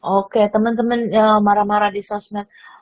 oke temen temen yang marah marah di sosmed